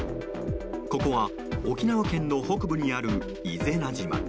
ここは沖縄県の北部にある伊是名島。